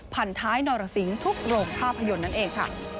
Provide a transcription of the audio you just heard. พันท้ายนรสิงทุกโรงภาพยนตร์นั่นเองค่ะ